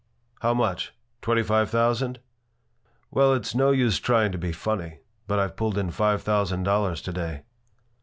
"How much? Twenty five thousand?" "Well, it's no use trying to be funny, but I've pulled in five thousand dollars to day."